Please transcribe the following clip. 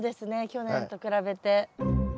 去年と比べて。